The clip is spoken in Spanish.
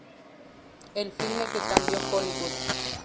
El filme que cambió Hollywood".